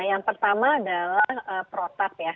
yang pertama adalah protap ya